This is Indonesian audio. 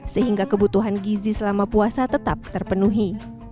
sehingga kebutuhan gizi selama puasa tetap terpenuhi